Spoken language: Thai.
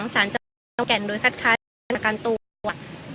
สารเจ้าแก่นโดยสัตว์ค้าสร้างการตัว